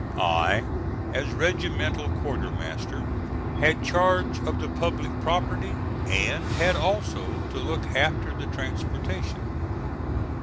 I, as regimental quartermaster, had charge of the public property and had also to look after the transportation.